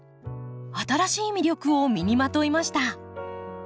新しい魅力を身にまといました。